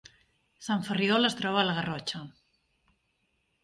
Sant Ferriol es troba a la Garrotxa